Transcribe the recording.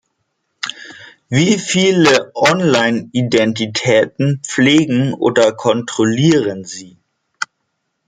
Wie viele Online-Identitäten pflegen oder kontrollieren Sie?